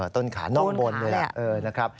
ต้นขาน้องบนเลยละ